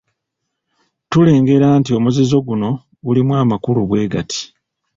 Tulengera nti omuzizo guno gulimu amakulu bwe gati.